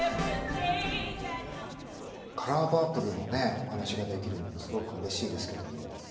「カラーパープル」のねお話ができるのもすごくうれしいですけども。